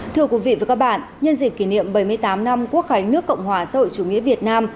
thưa quý vị và các bạn nhân dịp kỷ niệm bảy mươi tám năm quốc khánh nước cộng hòa xã hội chủ nghĩa việt nam